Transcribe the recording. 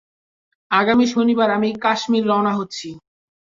আগামী শনিবার আমি কাশ্মীর রওনা হচ্ছি।